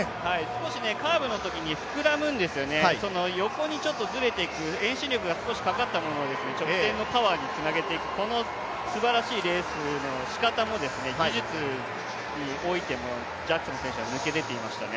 少しカーブのときに膨らむんですよね、横にちょっとずれていく、遠心力が少しかかったものを直線のパワーにつなげていく、このすばらしいレースのしかたも技術においてもジャクソン選手は抜け出ていましたね。